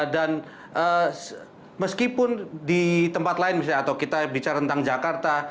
dan meskipun di tempat lain misalnya atau kita bicara tentang jakarta